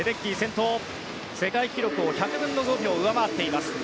世界記録を１００分の５秒上回っています。